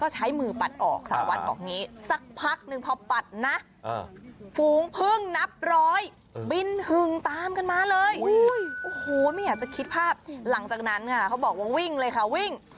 จะคิดภาพหลังจากนั้นเขาบอกว่าวิ่งเลยค่ะวิ่ง